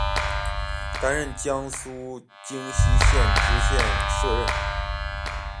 担任江苏荆溪县知县摄任。